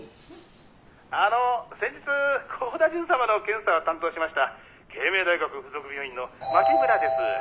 「あの先日幸田純様の検査を担当しました慶明大学付属病院の槇村です」